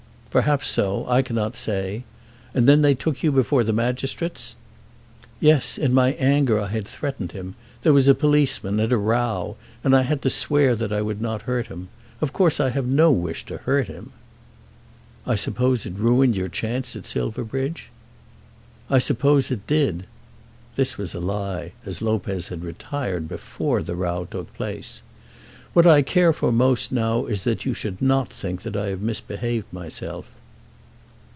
"Perhaps so. I cannot say. And then they took you before the magistrates?" "Yes; in my anger I had threatened him. Then there was a policeman and a row. And I had to swear that I would not hurt him. Of course I have no wish to hurt him." "I suppose it ruined your chance at Silverbridge?" "I suppose it did." This was a lie, as Lopez had retired before the row took place. "What I care for most now is that you should not think that I have misbehaved myself."